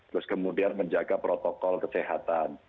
terus kemudian menjaga protokol kesehatan